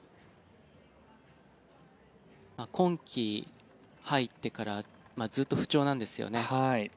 今季入ってからずっと不調なんですよね。